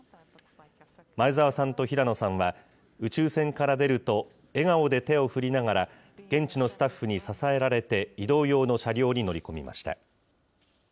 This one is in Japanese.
前澤さんと平野さんは、宇宙船から出ると、笑顔で手を振りながら、現地のスタッフに支えられて、移動用の車両に乗り込みました。